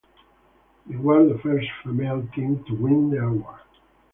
They were the first female team to win the award.